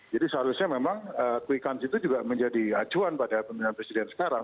jadi seharusnya memang kuikon itu juga menjadi acuan pada pemilihan presiden sekarang